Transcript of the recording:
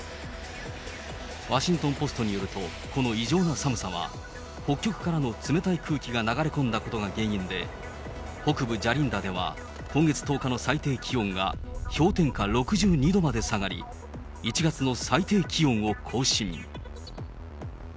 ワシントンポストによると、この異常な寒さは、北極からの冷たい空気が流れ込んだことが原因で、北部ジャリンダでは今月１０日の最低気温が氷点下６２度まで下がり、１月の最低気温を更新。